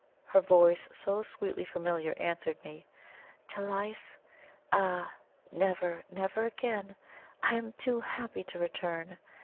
Her voice, so sweetly familiar, answered me: "To life? Ah, never, never again! I am too happy to return.